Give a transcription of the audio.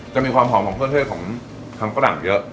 จะมีความหอมเครื่องเทศที่ของทั้งกะหลังเยอะ